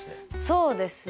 そうですね